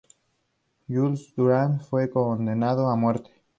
Jules Durand fue condenado a muerte.